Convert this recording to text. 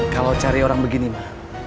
kalau cari orang begini mah